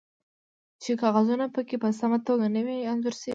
چې کاغذونه پکې په سمه توګه نه وي انځور شوي